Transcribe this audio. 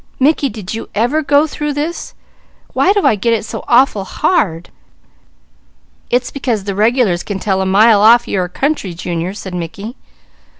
Mickey, did you ever go through this? Why do I get it so awful hard?" "It's because the regulars can tell a mile off you are country, Junior," said Mickey.